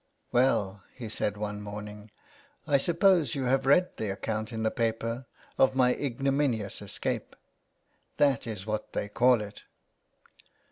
" Well," he said one morning, " I suppose you have read the account in the paper of my ignominious escape. That is what they called it.''